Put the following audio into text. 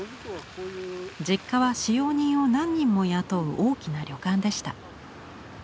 実家は使用人を何人も雇う大きな旅館でした。